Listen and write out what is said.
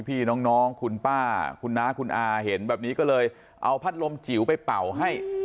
พี่น้องคุณป้าคุณน้าคุณอาเห็นแบบนี้ก็เลยเอาพัดลมจิ๋วไปเป่าให้